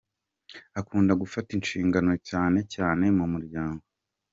Akunda gufata inshingano cyane cyane mu muryango.